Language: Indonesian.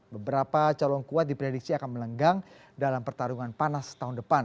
beberapa calon kuat diprediksi akan melenggang dalam pertarungan panas tahun depan